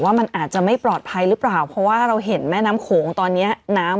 ว่ามันอาจจะไม่ปลอดภัยหรือเปล่าเพราะว่าเราเห็นแม่น้ำโขงตอนเนี้ยน้ำ